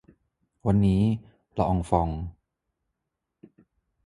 วันนี้ ละอองฟอง